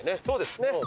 そうですね。